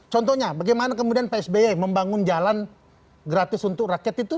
contohnya bagaimana kemudian pak sby membangun jalan gratis untuk rakyat itu